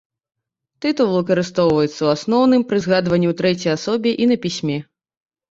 Тытул выкарыстоўваецца, у асноўным, пры згадванні ў трэцяй асобе і на пісьме.